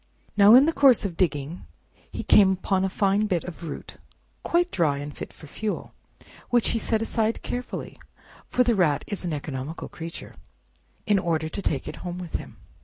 Now in the course of digging, he came upon a fine bit of root, quite dry and fit for fuel, which he set aside carefully—for the Rat is an economical creature—in order to take it home with him.